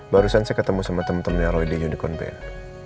barusan saya ketemu sama teman temannya roy di unicorn band